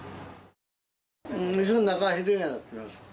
店の中はひどいことになってます。